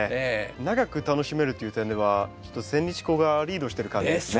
長く楽しめるという点ではちょっとセンニチコウがリードしてる感じですね。